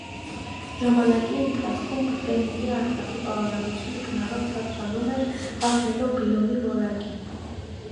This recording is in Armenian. Ժամանակի ընթացքում պֆենիգի արծաթի պարունակությունը գնալով ցածրանում էր, հասնելով բիլոնի որակի։